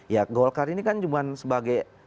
ya golkar ini kan cuma sebagai